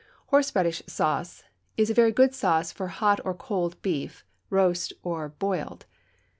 Horseradish sauce is a very good sauce for hot or cold beef, roast or boiled.